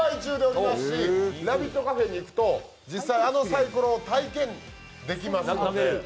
カフェに行くと実際あのサイコロを体験できます。